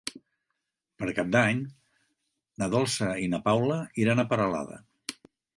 Per Cap d'Any na Dolça i na Paula iran a Peralada.